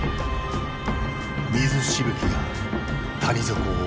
水しぶきが谷底を覆っている。